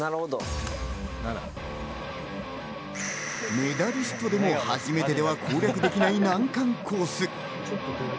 メダリストでも初めてでは攻略できない難関コース。